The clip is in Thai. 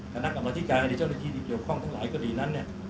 คณะกรรมธิการหรือเจ้าหน้าที่ที่เกี่ยวข้องทั้งหลายคดีนั้นเนี่ย